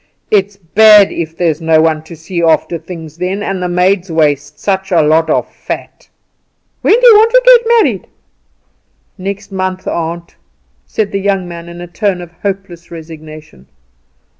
It is bad if there's no one to see after things then; and the maids waste such a lot of fat." "When do you want to get married?" "Next month, aunt," said the young man in a tone of hopeless resignation.